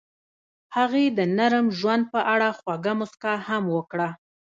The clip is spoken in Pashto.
هغې د نرم ژوند په اړه خوږه موسکا هم وکړه.